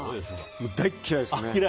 僕、大っ嫌いですね。